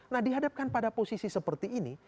nah dihadapkan pada posisi seperti ini